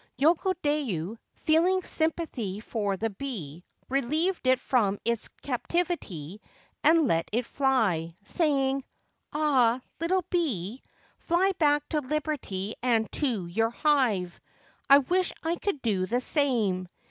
Yogodayu, feeling sympathy for the bee, relieved it from its captivity and let it fly, saying :' Ah, little bee ! fly back to liberty and to your hive. I wish I could do the same.